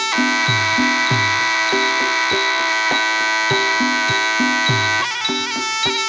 โชว์ที่สุดท้าย